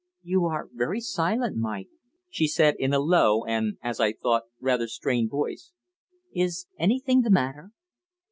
"You are very silent, Mike," she said in a low, and, as I thought, rather strained voice. "Is anything the matter?"